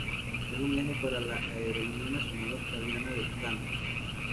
Es un eje para la aerolínea nacional australiana de Qantas.